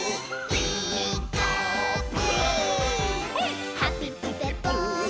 「ピーカーブ！」